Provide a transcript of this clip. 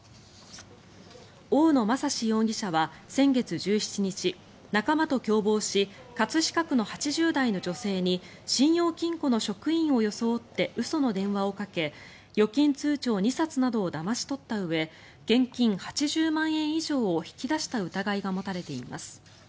大野雅史容疑者は先月１７日仲間と共謀し葛飾区の８０代の女性に信用金庫の職員を装って嘘の電話をかけ預金通帳２冊などをだまし取ったうえ現金８０万円以上を引き出した疑いが持たれています。